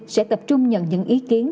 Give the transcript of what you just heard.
sẽ tập trung nhận những ý kiến